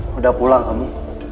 sudah pulang kamu